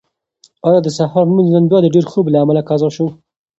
ایا د سهار لمونځ نن بیا د ډېر خوب له امله قضا شو؟